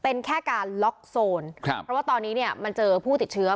เป็นแค่การล็อกโซนครับเพราะว่าตอนนี้เนี่ยมันเจอผู้ติดเชื้อ